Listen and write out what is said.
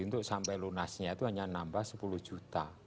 untuk sampai lunasnya itu hanya nambah sepuluh juta